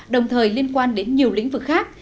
đồng thời liên quan đến nhiều lĩnh vực khác